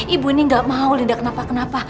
ibu ini gak mau lidah kenapa kenapa